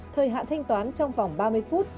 thời hạn thanh toán trong vòng ba mươi phút